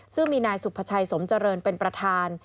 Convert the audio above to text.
ซึ่งมีนายสุภาชัยสมเจริญเป็นประธาน